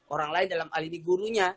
orang lain dalam alibi gurunya